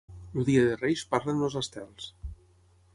El dia de Reis parlen els estels.